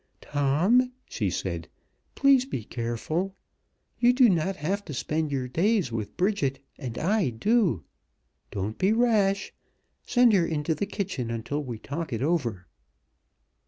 "Tom," she said, "please be careful! You do not have to spend your days with Bridget, and I do! Don't be rash. Send her into the kitchen until we talk it over."